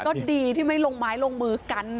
ก็ดีที่ไม่ลงไม้ลงมือกัน